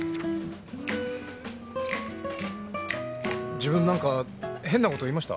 自分なんか変な事言いました？